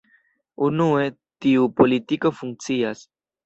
Unue, tiu politiko funkcias.